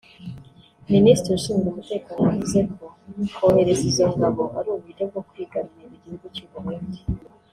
Minisitiri ushinzwe umutekano yavuze ko kohereza izo ngabo ari uburyo bwo kwigarurira igihugu cy’Uburundi